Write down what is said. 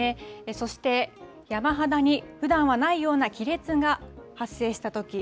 そして山肌にふだんはないような亀裂が発生したとき。